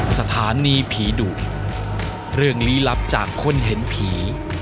สถานีผีดุเรื่องลี้ลับจากคนเห็นผี